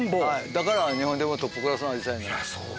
だから日本でもトップクラスのあじさい園になりました。